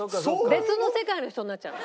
別の世界の人になっちゃう。